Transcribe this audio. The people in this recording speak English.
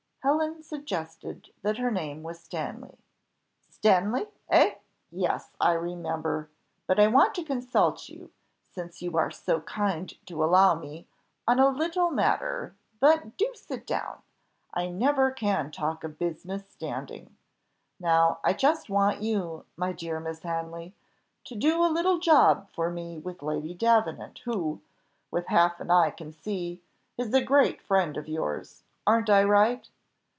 Helen suggested that her name was Stanley. "Stanley! eh? Yes, I remember. But I want to consult you, since you are so kind to allow me, on a little matter but do sit down, I never can talk of business standing. Now I just want you, my dear Miss Hanley, to do a little job for me with Lady Davenant, who, with half an eye can see, is a great friend of yours. Aren't I right?"